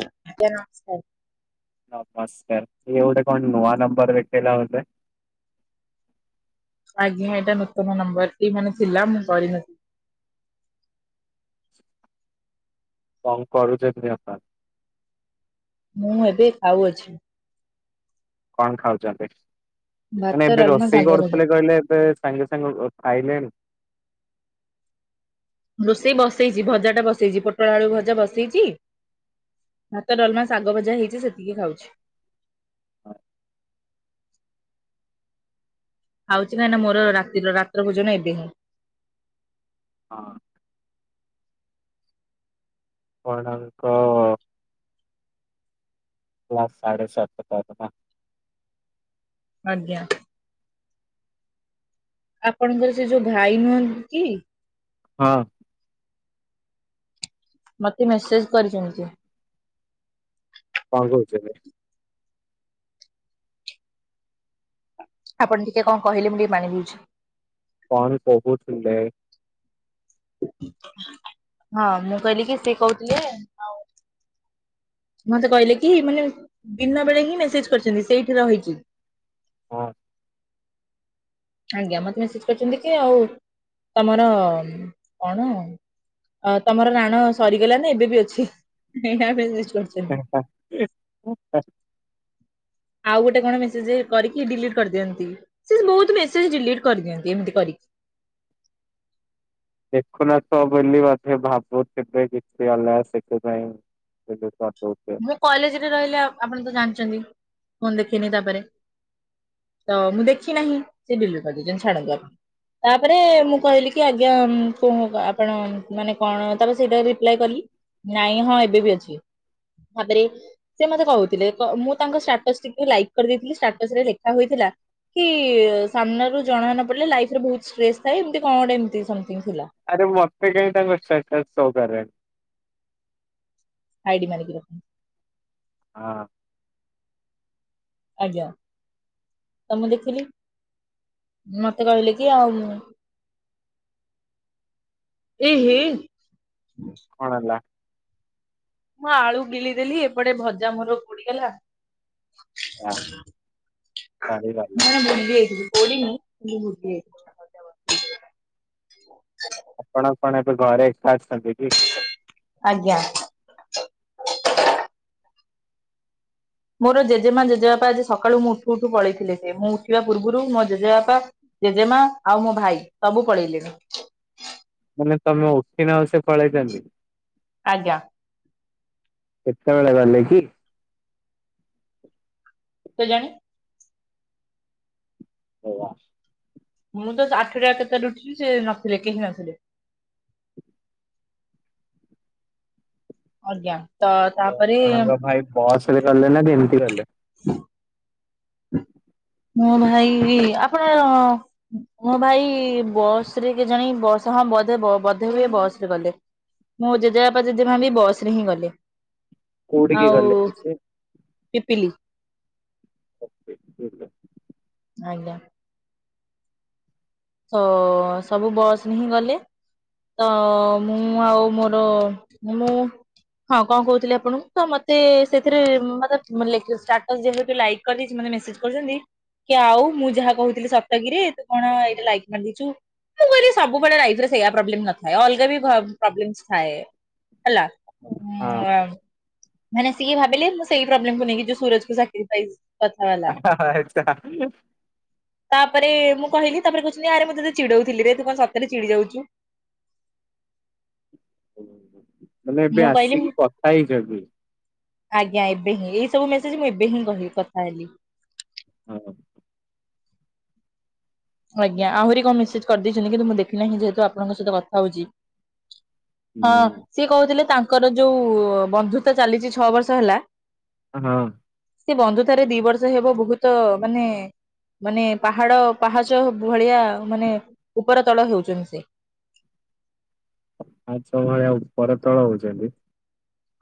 ଆଜ୍ଞା ନମସ୍କାର। ନମସ୍କାର ଇଏ ଗୋଟେ କଣ ନୂଆ ନମ୍ବର ଦେଖେଇଲା ମତେ। [inaudible] ଆଜ୍ଞା ଏଟା ନୂତନ ନମ୍ବର ଏଇ ମାନେ ଥିଲା ମୁଁ କରିନ କଣ କରୁଚନ୍ତି ବ୍ୟାପାର? ମୁଁ ଏବେ ଖାଉଅଛି। କଣ ଖାଉଚନ୍ତି? ଭାତ ମାନେ ଏବେ ଡାଲମା ରୋଷେଇ ଶାଗ ଭଜା। କରୁଥୁଲେ କହିଲେ ଏବେ ସାଙ୍ଗେ ସାଙ୍ଗେ ଅ ଖାଇଲେଣି। ରୋଷେଇ ବସେଇଚି ଭଜାଟା ବସେଇଚି ପୋଟଳ ଆଳୁ ଭଜା ବସେଇଚି। ଭାତ, ଡଲମା, ଶାଗ ଭଜା, ହେଇଚି ସେତିକି ଖାଉଚି। ଆ ଆଉଚି କାହିଁକିନା ମୋର ରାତିର ରାତ୍ର ଭୋଜନ ଏବେ ହିଁ। ହଁ। କଣ ହେଟା ହେବେ ତ କ୍ଲାସ ସାଢ଼େ ସାତଟା [unintelligible] ଆଜ୍ଞା। ଆପଣଙ୍କର ସେ ଯୋଉ ଭାଇ ନୁହନ୍ତି କି ହଁ। ମତେ ମେସେଜ୍ କରିଚନ୍ତି କିଏ? କଣ କୋହୁଚନ୍ତି? ଆପଣ ଟିକେ କଣ କହିଲେ ମୁଁ ଟିକେ ପାଣି ପିଉଛି। କଣ କୋହୁଥୁଲୁ? ହଁ ମୁଁ କହିଲି କି ସେ କୋହୁଥିଲେ ଆଉ ମତେ କହିଲେ କି ମାନେ ଦିନ ବେଳେ ହିଁ ମେସେଜ କରିଚନ୍ତି ସେଇଠି ରହିକି। ହଁ। ଆଜ୍ଞା ମତେ ମେସେଜ କରିଚନ୍ତି ଯେ ଆଉ ତମର କଣ ଅ ତମର ରାଣ ସରିଗଲା ନା ଏବେ ବି ଅଛି [unintelligible] ହା ହା ଉ ଉ ହା। ଆଉ ଗୋଟେ କଣ ମେସେଜେ କରିକି ଡିଲିଟ କରିଦିଅନ୍ତି ସେ ବୋହୁତ ମେସେଜ ଡିଲିଟ କରିଦିଅନ୍ତି ଏମିତି କରିକି। [inaudible] ଦେଖୁ ନଥୁବ ବୋଲି ବୋଧେ ଭାବୁଥୁବେ କିଛି ଅଲଗା ସେଥିପାଇଁ। ଏବେ ତ ତୋ ମୁଁ କଲେଜରେ ରହିଲେ ଆପ ଆପଣ ତ ଜାଣିଚନ୍ତି ଫୋନ ଦେଖିନି ତାପରେ। ତ ମୁଁ ଦେଖିନାହିଁ ସେ ଡିଲିଟ କରିଦେଇଚନ୍ତି ଛାଡନ୍ତୁ ଆପ ତାପରେ ମୁଁ କହିଲି କି ଆଜ୍ଞା ଉଁ କୋ ଆପଣ ମାନେ କଣ ତାପରେ ସେଇଟା ରିପ୍ଲାଏ କଲି। ନାଇଁ ହଁ ଏବେ ବି ଅଛି। ଭାବରେ ସେ ମତେ କହୁଥୁଲେ କ ମୁଁ ତାଙ୍କ ଷ୍ଟାଟସ୍ ଟିକୁ ଲାଇକ୍ କରିଦେଇଥିଲି ଷ୍ଟାଟସରେ ଲେଖା ହୋଇଥି ଲା କି ସାମ୍ନାରୁ ଜଣା ନ ପଡିଲେ ଲାଇଫରେ ବୋହୁତ ଷ୍ଟ୍ରେସ୍ ଥାଏ ଏମତି କଣ ଗୋଟେ ଏମତି ସମ୍ ଆରେ ମତେ କାଇଁ ତାଙ୍କ ଷ୍ଟାଟସ ସୋ କରେ ହାଇଡି ମାରିକି ରଖୁଁ। ହଁ। ଆଜ୍ଞା ତ ମୁଁ ଦେଖିଲି। ମତେ କହିଲେ କି ଆଉ ମୁଁ ଏହେ। କଣ ହେଲା? ମୁଁ ଆଳୁ ଗିଳିଦେଲି ଏପଟେ ଭଜା ମୋର ପୋଡିଗଲା। ଆ ସରିଗଲା ମୁଁ ଭୁଲି ଯାଇଥିଲି। ପୋଡିନି [unintelligible] ଆପଣଙ୍କ ଏବେ ଘରେ ଏକାଅଛନ୍ତି କି? ଆଜ୍ଞା। ମୋର ଜେଜେମା ଜେଜେବାପା ଆଜି ସକାଳୁ ମୁଁ ଉଠୁ ଉଠୁ ପଳେଇଥିଲେ ସେ ମୁଁ ଉଠିବା ପୂର୍ବରୁ ମୋ ଜେଜେବାପା ଜେଜେମା ଆଉ ମୋ ଭାଇ ସବୁ ପଳେଇଲେଣିି। ତମେ ଉଠକି ନ ଆସେ ଫଳେଇଛନ୍ତିି? ଆଜ୍ଞା। କେତେବେଳେ ଗଲେ କି? କେଜାଣି? ହଁ ବା। ମୁଁ ତ ଆଠଟା କେତେବେଳେ ଉଠିଲି ସେ ନଥିଲେ କେହି ନଥିଲେ। ଆଜ୍ଞା। ତ ଆଉ ତାପରେ ଆପଣଙ୍କ ଭାଇ ବସ ରେ ଗଲେ ନା କେମିତି ଗଲେ? [inaudible] ମୋ ଭାଇ ଆପଣ ମୋ ଭାଇ ବସ ରେ କେଜାଣି ବସ ହଁ ବୋଧେ ବୋଧେ ହୁଏ ବସ ରେ ଗଲେ, ମୋ ଜେଜେବାପା ଜେଜେମା ବି ବସ ରେ ହିଁ ଗଲେ। କୋଉଠିକି ଆଉ ଗଲେ କି ସେ? ପିପିଲି ଓ ପିପିଲି। ଆଜ୍ଞା। ତ ସବୁ ବସ ହିଁ ଗଲେ। ତ ମୁଁ ଆଉ ମୋର ମୁଁ ହଁ କଣ କହୁଥିଲି ଆପଣଙ୍କୁ ତ ମତେ ସେଥିରେ ମତେ ଯେ ଲାଇକ କରି ଦେଇଛି। ମେସେଜ କରୁଛନ୍ତି କି ଆଉ ମୁଁ ଯାହା କହୁଥିଲି ସତ କିରେ ତୁ କଣ ଏଇଟା ଲାଇକ ମାରିଦେଇଛୁ? ମୁଁ କହିଲି ସବୁବେଳେ ରାଇଫରେ ସେଇ ପ୍ରୋବ୍ଲେ ନଥାଏ ଅଲଗା ବି ପ୍ରୋବ୍ଲେମ ଥାଏ। ହେଲା ହଁ ମ ମାନେ ସିଏ ଭାବିଲେ ମୁଁ ସେଇ ପ୍ରୋବ୍ଲେମ୍କୁ ନେଇକି ଯୋଉ ସୁରଜ କୁ [inaudible] ତାପରେ ମୁଁ କହିଲି ତାପରେ କହୁଛନ୍ତି ଆରେ ମୁଁ ତତେ ଚିଡଉଥିଲି ରେ ତୁ କଣ ସତରେ ଚିଡି ଯାଉଛୁ? ଓ ମାନେ ଏବେ ମୁଁ କହିଲି ଆସିକି କଥା ହେଇଛ କି? ଆଜ୍ଞା ଏବେ ହିଁ ଏଇ ସବୁ ମେସେଜ ମୁଁ ଏବେ ହିଁ କହିବି କଥା ହେଲି। ହଁ। ଆଜ୍ଞା ଆହୁରି କଣ ମେସେଜ କରିଦେଇଛନ୍ତି କିନ୍ତୁ ମୁଁ ଦେଖିନାହିଁ ଯେହେତୁ ଆପଣଙ୍କ ସହିତ କଥା ହଉଛି। ହଁ ହୁଁ ସିଏ କହୁଥିଲେ ତା ଙ୍କର ଯୋଉ ବନ୍ଧୁତା ଚାଲିଛି ଛଅ ବର୍ଷ ହେଲା। ହଁ। ସେ ବନ୍ଧୁତାରେ ଦି ବର୍ଷ ହେବ ବହୁତ ମାନେ ମାନେ ପାହାଡ ପାହାଚ ଭଳିଆ ମାନେ ଉପର ତଳ ହେଉଛନ୍ତି ସେ। ଆଚ୍ଛା ଭଳିଆ ଉପରତଳ ହେଉଛନ୍ତି।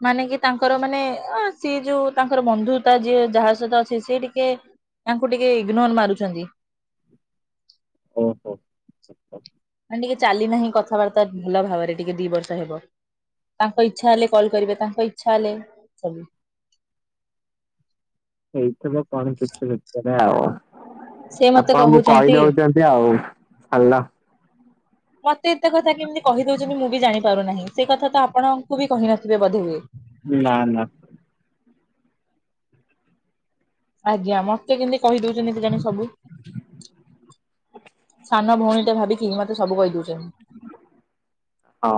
ମାନେ କି ତାଙ୍କର ମାନେ ଅ ସିଏ ଯୋଉ ତାଙ୍କର ବନ୍ଧୁତା ଯିଏ ଯାହା ସହିତ ଅଛି ସେ ଟିକେ ତାଙ୍କୁ ଟିକେ ଇଗ୍ନୋର ମାରୁଛନ୍ତି। ଓହୋ। ମାନେ ଟିକେ ଚାଲି ନାହିଁ କଥାବାର୍ତ୍ତା ଭଲ ଭାବରେ ଟିକେ ଦି ବର୍ଷ ହେବ। ତାଙ୍କ ଇଚ୍ଛା ହେଲେ କଲ୍ କରିବେ ତାଙ୍କ ଇଛା ହେଲେ ସବୁ। ଏଇଥିବ କଣ କିଛି ଭିତରେ ଆଉ। ସେ ମତେ ଆପଣଙ୍କୁ କହୁଛନ୍ତି କହିଦଉଛନ୍ତି ଆଉ ଭଲ। [inaudible] ମତେ ଏତେ କଥା କେମିତି କହିଦଉଛନ୍ତି ମୁଁ ବି ଜାଣିପାରୁନାହିଁ ସେ କଥା ତ ଆପଣଙ୍କୁ ବି କହିନଥିବେ ବୋଧେ ହୁଏ। ନା ନା। ଆଜ୍ଞା ମତେ କେମିତି କହି ଦଉଛନ୍ତି କେଜାଣି ସବୁ। ସାନ ଭଉଣୀଟେ ଭାବିକି ମତେ ସବୁ କହି ଦଉଛନ୍ତି। ହଁ।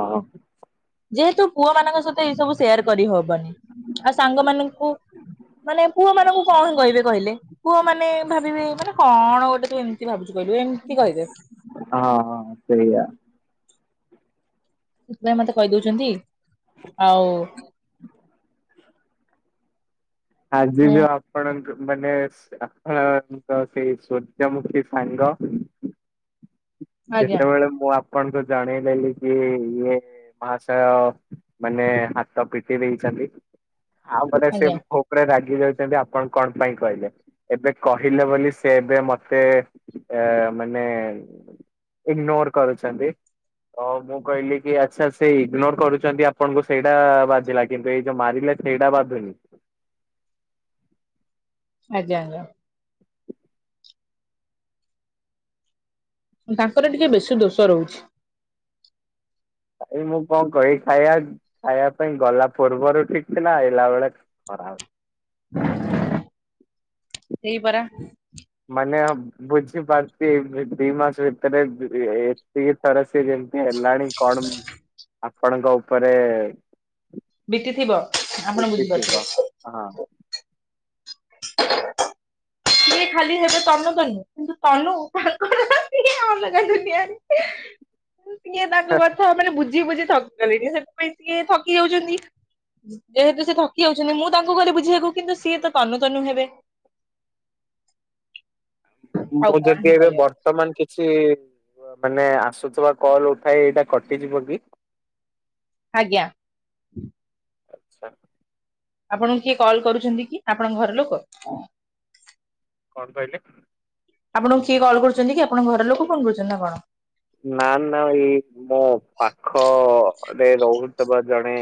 ପୁଅ ମାନଙ୍କ ସହିତ ଇ ସବୁ ସେୟାର କରିହବନି ଆଉ ସାଙ୍ଗ ମାନଙ୍କୁ। ମାନେ ପୁଅ ମାନଙ୍କୁ କଣ କହିବି କହିଲେ ପୁଅ ମାନେ ଭାବିବେ ମାନେ କଣ ଗୋଟେ ତୁ ଏମିତି ଭାବୁଛୁ। କେଡିଏମ। ହଁ ସେଇଆ। ସେଥିପାଇଁ ମତେ କହିଦଉଛନ୍ତି ଆଉ। ଆଜି ହୁଁ ବି ଆପଣଙ୍କୁ। ମାନେ ସ ଆପଣଙ୍କ ସେଇ ସୂର୍ଯ୍ୟମୁଖୀ ସାଙ୍ଗ। ଆଜ୍ଞା ଯେତେବେଳେ ମୁଁ ଆ‌ ଆପଣଙ୍କୁୁ ଜଣେଇଲେଲି କି ଇଏ ମହାଶୟ ମାନେ ହାତ ପିଟି ଦେଇଛନ୍ତି। ଆଉ ଗଲ ଆଜ୍ଞା ସେମ ଫୋ ରାଗି ଯାଉଛନ୍ତି ଆପଣ କଣ ପାଇଁ କହିଲେ ଏବେ କହିଲେ ବୋଲି ସେ ଏବେ ମତେ ଆ ଅ ମାନେ ଇଗନୋର କରୁଛନ୍ତି। ଓ ମୁଁ କହିଲି କି ଆଚ୍ଛା ସେ ଇଗ୍ନୋର କରୁଛନ୍ତି ଆପଣଙ୍କୁ ସେଇଟା ବାଧିଲା କିନ୍ତୁ ଏଇ ଯୋଉ ମାରିଲା। ସେଇଟା ବାଧୁନି। ଆଜ୍ଞା ଆଜ୍ଞା। ତାଙ୍କର ଟିକେ ବେଶୀ ଦୋଷ ରହୁଛି। ଭାଇ ମୁଁ କଣ କହିବି ଖାଇବା ଖାଇବା ପାଇଁ ଗଲା ପୂର୍ବରୁ ଠିକ ଥିଲା ଆଇଲା ବେଳେ। ହ ସେଇ ପରା। ମନେ ହଁ ବୁଝି ପାରୁଛି ଦି ମାସ ଭିତରେ ଏ ଏ ଏତିିକ ଥର ସିଏ। କେମିତି ହେଲାଣି କଣ ଆପଣଙ୍କ ଉପରେ। ବିତି ଥିବ ଆପଣ ବିତିଥିବ। ହଁ ବୁଝିପାରୁଥିବେ। ସିଏ ଖାଲି ହେବେ ତନୁ ତନୁ କିନ୍ତୁ ତନୁ ପାଗଳ ତାର ସିଏ ଅଲଗା ଦୁନିଆରେ। ସିଏ ତାଙ୍କ କଥା ମାନେ ବୁଝେଇ ବୁଝେଇ ଥକି ଗଲେଣି ସେଥିପାଇଁ ସିଏ ଥକି ଯାଉଛନ୍ତି। ଯେହେତୁ ସେ ଥକି ଯାଉଛନ୍ତି ମୁଁ ତାଙ୍କୁ ଗଲି ବୁଝେଇ ବାକୁ କିନ୍ତୁ ସିଏ ତ ତନୁ ତନୁ ହେବେ। ଆଉ ମୁଁ କଣ ଯଦି ହିଁ ଏବେ କରିବା ବର୍ତ୍ତମାନ କିଛି। ଗୁଆ ମାନେ ଆସୁଥିବା କଲ ଉଠାଏ ଏଇଟା କଟିଯିବ କି। ଆଜ୍ଞା। ଆଚ୍ଛା। ଆପଣଙ୍କୁ କିଏ କଲ୍ କରୁଛନ୍ତି କି ଆପଣଙ୍କ ଘର ଲୋକ। କଣ କହିଲେ। ଆପଣଙ୍କୁ କିଏ କଲ୍ କରୁଛନ୍ତି କି ଆପଣଙ୍କ ଘର ଲୋକ ଫୋନ କରୁଛନ୍ତି ନା କଣ। ନା ନା ଏଇ ମୋ ପାଖରେ ରହୁଥିବା ଜଣେ।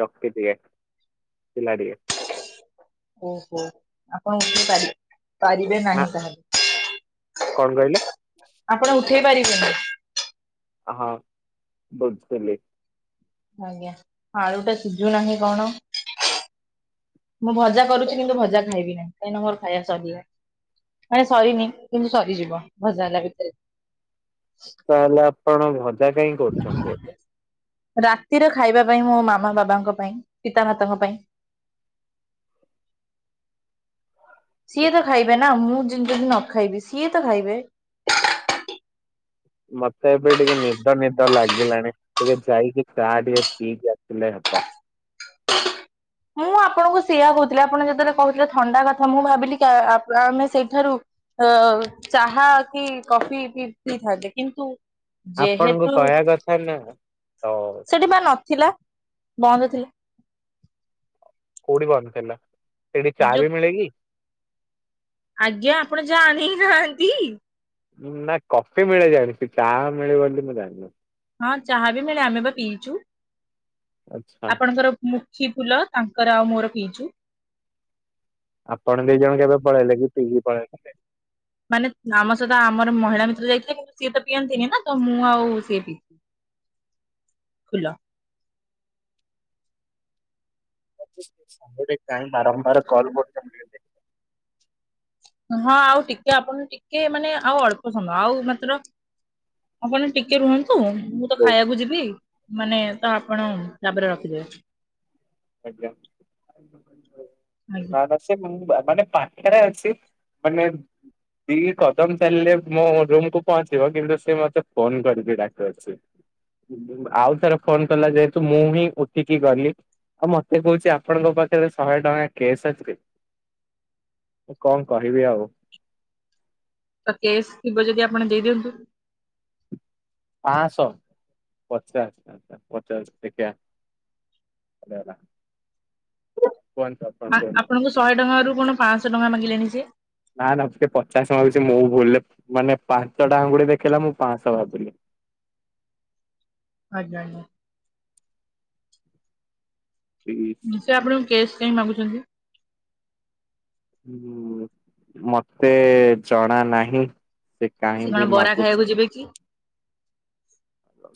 ବ୍ୟକ୍ତି ଟିଏ ପିଲା ଟିଏ। ଓହୋ ଆପଣ ଉଠେଇ ପାରିବେ ପାରିବେ ହଁ ନାହିଁ କଣ କହିଲେ? ତାହେଲେ ଆପଣ। ଉଠେଇ ପାରିଇବେନି। ହଁ ବୁଝିଲି। ଆଜ୍ଞା ଆଳୁ ଟା ସିଝୀ ଲାନି କଣ। ମୁଁ ଭଜା କରୁଛି କିନ୍ତୁ ଭଜା ଖାଇବି ନାହିଁ କାହିଁକି ନା ମୋର ଖାଇବା ସରିଯିବ। ମାନେ ସରିନି କିନ୍ତୁ ସରି ଯିବ ଭଜା ହେଲା ଭିତରେ। ତାହେଲେ ଆପଣ ଭଜା କାଇଁ କରୁଛନ୍ତି? ରାତିରେ ଖାଇବା ପାଇଁ ମୋ ମାମା ବାବା ଙ୍କ ପାଇଁ ପିତା ମାତା ଙ୍କ ପାଇଁ। [inaudible] [unintelligible] ସିଏ ତ ଖାଇବେ ନା ମୁଁ ଯ ଯଦି ନ ଖାଇବି ସିଏ ତ ଖାଇବେ। ମତେ ଏବେ ଟିକେ ନିଦ ନିଦ ଲାଗିଲାଣି ଟିକେ ଯାଇକି ଚା ଟିକେ ପିଇକି ଆସିଲେ କ ମୁଁ ଆପଣଙ୍କୁ ସେଇଆ କହୁଥିଲି ଆପଣ ଯେତେବେଳେ କହୁଥିଲେ ଥଣ୍ଡା କଥା ମୁଁ ଭାବିଲି କି ଆମେ ସେଇଠାରୁ ଅ ଚାହା କି କଫି ବି ପିଇଥାନ୍ତେ କିନ୍ତୁ ଆପଣଙ୍କୁ ଯେହେତୁ କହିବା କଥା ନା ତ ସେଠି ବା ନଥିଲା। ବନ୍ଦ ଥିଲା। କୋଉଠି ବନ୍ଦ ଥିଲା ସେଇଠି ଚାହା ଯୋଉ ବି ମିଳେ କି? ଆଜ୍ଞା ଆପଣ ଜାଣି ନାହାନ୍ତି? ନା କଫି ମିଳେ ଜାଣିଚି ଚା ମିଳେ ‌ବୋଲି ମୁଁ ଜାଣିନି। ହଁ ଚାହା ବି ମିଳେ ଆମେ ବା ପିଇଚୁ। ଆଚ୍ଛା। ଆପଣଙ୍କର ମୁଖୀ ଫୁଲ ତାଙ୍କର ଆଉ ମୋର ପିଇଚୁ। ଆପଣ ଦି ଜଣ କେବେ ପଳେଇଲେ କି ପିଇକି [unintelligible] ମାନେ ଆମ ସହିତ ଆମର ମହିଳା ମିତ୍ର ଯାଇଥିଲେ କିନ୍ତୁ ସିଏ ତ ପିଅନ୍ତିନି ନା ତ ମୁଁ ଆଉ ସିଏ ପି [unintelligible] [unintelligible] କାଇଁ ବାରମ୍ବାର କଲ୍ [unintelligible] ହଁ ଆଉ ଟିକେ ଆପଣ ଟିକେ ମାନେ ଆଉ ଅଳ୍ପ ସମୟ ଆଉ ମାତ୍ର ଆପଣ ଟିକେ ରୁହନ୍ତୁ। ହୁଁ ମୁଁ ତ ଖାଇବାକୁ ଯିବି ମାନେ ତ ଆପଣ ତାପରେ ରଖିଦେବେ‌। ଆଜ୍ଞା ଆଜ୍ଞା [unintelligible] ମାନେ ପାଖରେ ଅଛି ମାନେ ଦି କଦମ୍ ଚାଲିଲେ ମୋ ରୁମ୍ କୁୁ ପହଞ୍ଚିବ କିନ୍ତୁ ସେ ମତେ ଫୋନ୍ କରିକି ଡାକୁଚି। ଆଉଥରେ ଫୋନ୍ କଲା ଯେହେତୁ ମୁଁ ହିଁ ଉଠିକି ଗଲି। ଆଉ ମତେ କହୁଚି ଆପଣଙ୍କ ପାଖରେ ଶହେ ଟଙ୍କା କେସ୍ ଅଛି‌। କଣ କହିବି ଆଉ? ତ କେସ୍ ଥିବ ଯଦି ଆପଣ ଦେଇଦିଅନ୍ତୁ। ପାଁଶହ ପଚାଶ ପଚାଶ [unintelligible] [unintelligible] ଆ କୁହନ୍ତୁ। ଆପଣଙ୍କୁ ଶହେ ଟଙ୍କା ରୁ କଣ ପାଁଶହ ଟଙ୍କା ମାଗିଲେଣିି ସେ। ନା ନା ସିଏ ପଚାଶ ମାଗୁଚି ମୁଁ ଭୁଲ୍ ରେ ମାନେ ପାଞ୍ଚଟା ଆଙ୍ଗୁଳି ଦେଖେଇଲା ମୁଁ ପାଁଶହ ଭାବିଲି। ଆଜ୍ଞା ଆଜ୍ଞା। ହୁଁ ସେ ଆପଣଙ୍କୁ କେସ୍ କାହିଁ ମାଗୁଛନ୍ତି? [unintelligible] ମତେ ଜଣାନାହିଁ। ସେ ସେ କଣ କାହିଁକି ବରା ଖାଇବାକୁ ମାଗୁଛି। ଯିବେ କି?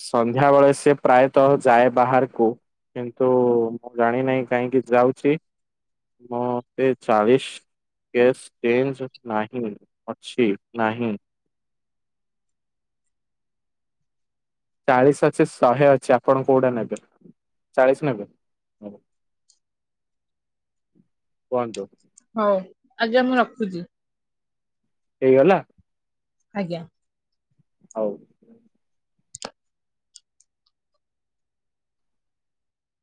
ସନ୍ଧ୍ୟାବେଳେ ସେ ପ୍ରାୟତଃ ଯାଏ ବାହାରକୁ। କିନ୍ତୁ ଜାଣିିନାହିଁ କାହିଁକି ଯାଉଚି। ମତେ ଚାଳିଶି କେସ୍ ଚେଞ୍ଜ ନାହିଁ ଅଛି ନାହିଁ। ଚାଳିଶି ଅଛି ଶହେ ଅଛି ଆପଣ କୋଉଟା ନେବେ ଚାଳିଶି ନେବେ? [inaudible] କୁହନ୍ତୁ। ହଉ ଆଜ୍ଞା ମୁଁ ରଖୁଚି। ହେଇଗଲା। ଆଜ୍ଞା। ହଉ।